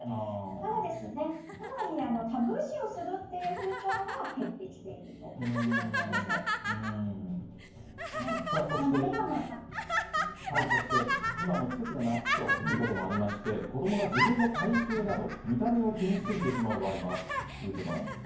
ただ、とはいえタブー視をするという風潮はそして、今の季節が夏ということもありまして子供が自分の体形など見た目を気にしすぎてしまう場合もあるということです。